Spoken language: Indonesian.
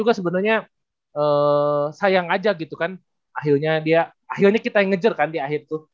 akhirnya kita yang ngejar kan di akhir tuh